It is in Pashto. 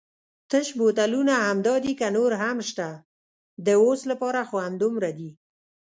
تش بوتلونه همدای دي که نور هم شته؟ د اوس لپاره خو همدومره دي.